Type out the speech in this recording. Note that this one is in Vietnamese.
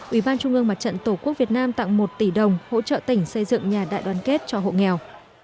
ủy ban trung ương mặt trận tổ quốc việt nam tặng một tỷ đồng hỗ trợ tỉnh xây dựng nhà đại đoàn kết cho hộ nghèo